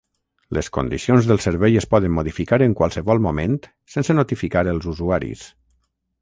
Les condicions del servei es poden modificar en qualsevol moment sense notificar els usuaris.